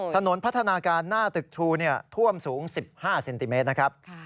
ถนนพัฒนาการหน้าตึกทูท่วมสูง๑๕เซนติเมตรนะครับ